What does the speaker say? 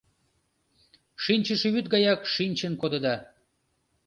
Шинчыше вӱд гаяк шинчын кодыда